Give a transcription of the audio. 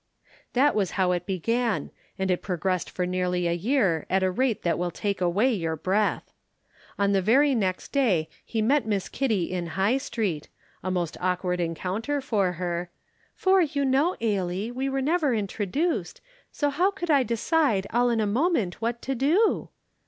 That was how it began, and it progressed for nearly a year at a rate that will take away your breath. On the very next day he met Miss Kitty in High Street, a most awkward encounter for her ("for, you know, Ailie, we were never introduced, so how could I decide all in a moment what to do?")